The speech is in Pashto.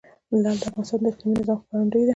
لعل د افغانستان د اقلیمي نظام ښکارندوی ده.